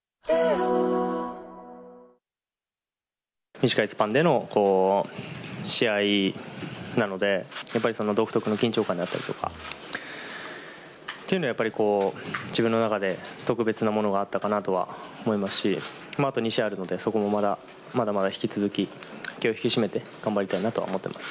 短いスパンでの試合なのでやっぱりその独特の緊張感であったりとか自分の中で特別なものがあったかなと思いますしあと２試合あるのでまだまだ引き続き気を引き締めて頑張りたいと思っています。